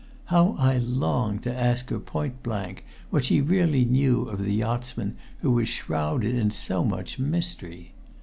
How I longed to ask her point blank what she really knew of the yachtsman who was shrouded in so much mystery.